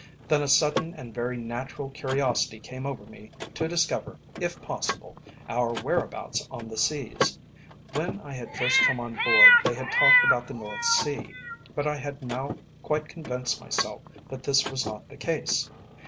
Then a sudden and very natural curiosity came over me to discover, if possible, our whereabouts on the seas. When I had first come on board they had talked about the North Sea, but I had now quite convinced myself that this was not the case.